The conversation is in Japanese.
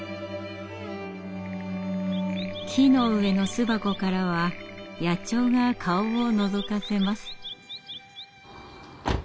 木の上の巣箱からは野鳥が顔をのぞかせます。